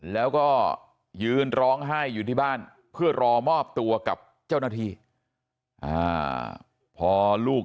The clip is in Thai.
แล้วก็ยืนร้องไห้อยู่ที่บ้านเพื่อรอมอบตัวกับเจ้าหน้าที่พอลูก